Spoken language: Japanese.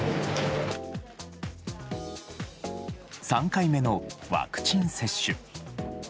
３回目のワクチン接種。